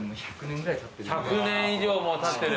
１００年以上もたってる。